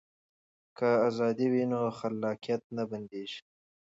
که ازادي وي نو خلاقیت نه بنديږي.